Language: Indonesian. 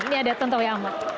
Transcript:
ini ada tontok yamak